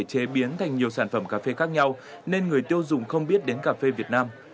cà phê nước ta đã trộn thành nhiều sản phẩm cà phê khác nhau nên người tiêu dùng không biết đến cà phê việt nam